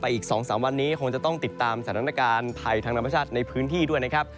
อีก๒๓วันนี้คงจะต้องติดตามสถานการณ์ภัยทางธรรมชาติในพื้นที่ด้วยนะครับ